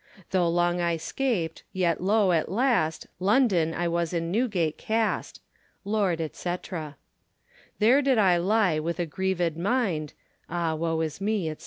Though long I scapt, yet loe at last, London, I was in Newgate cast. Lord, &c. There did I lye with a grieved minde, Ah woe is me, &c.